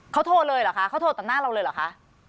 เขาโทรเลยเหรอคะเขาโทรต่อหน้าเราเลยเหรอคะ